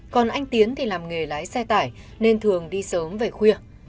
còn anh tiến thì làm nghề lái xe tải nên thường đi sớm về khuya